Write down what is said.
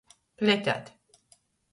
Pletēt.